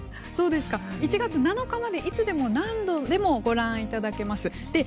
１月７日まで、いつでも何度でもご覧いただけます。